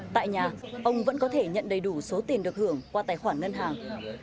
tại nhà ông vẫn có thể nhận đầy đủ số tiền được hưởng qua tài khoản ngân hàng